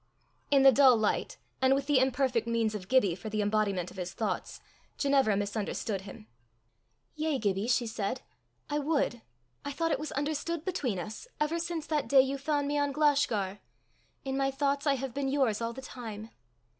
In the dull light, and with the imperfect means of Gibbie for the embodiment of his thoughts, Ginevra misunderstood him. "Yes, Gibbie," she said, "I would. I thought it was understood between us, ever since that day you found me on Glashgar. In my thoughts I have been yours all the time."